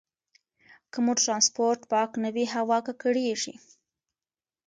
که مو ټرانسپورټ پاک نه وي، هوا ککړېږي.